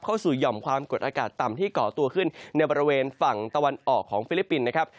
หย่อมความกดอากาศต่ำที่ก่อตัวขึ้นในบริเวณฝั่งตะวันออกของฟิลิปปินส์นะครับ